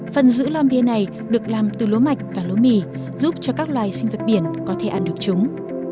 phần giữ lon bia này được làm từ lúa mạch và lúa mì giúp cho các loài sinh vật biển có thể ăn được chúng